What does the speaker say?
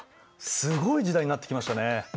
すごい時代になってきましたね。